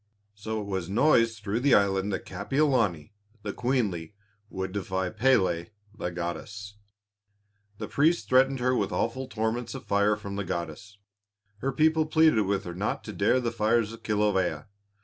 So it was noised through the island that Kapiolani, the queenly, would defy Pélé the goddess. The priests threatened her with awful torments of fire from the goddess; her people pleaded with her not to dare the fires of Kilawea.